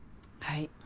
はい。